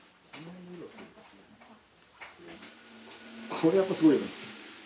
これやっぱすごいよね。